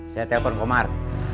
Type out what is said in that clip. saya telpon kumar